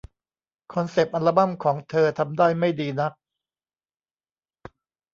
คอนเซ็ปต์อัลบั้มของเธอทำได้ไม่ดีนัก